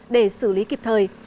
để xử lý kịp thời